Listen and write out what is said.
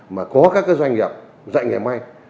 mà có các doanh nghiệp dạy ngày mai